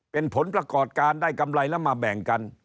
เป็นผลประกอบการได้กำไรแล้วมาแบ่งกัน